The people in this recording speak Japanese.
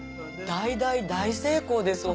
大大大成功です